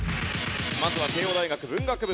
まずは慶應大学文学部